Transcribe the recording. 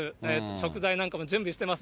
食材なんかも準備してます。